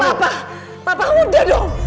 papa papa udah dong